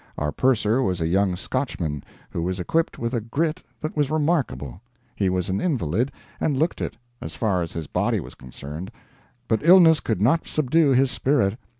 Our purser was a young Scotchman who was equipped with a grit that was remarkable. He was an invalid, and looked it, as far as his body was concerned, but illness could not subdue his spirit.